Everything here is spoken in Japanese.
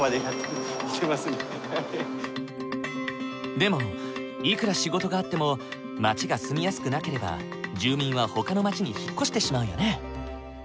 でもいくら仕事があっても町が住みやすくなければ住民はほかの町に引っ越してしまうよね。